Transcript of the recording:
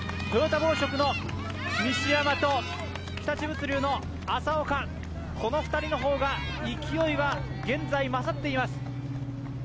トヨタ紡織の西山と日立物流の浅岡、この２人の方が勢いは現在勝っています。